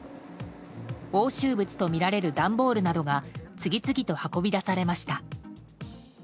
押収物とみられる段ボールなどが次々と運び出されました。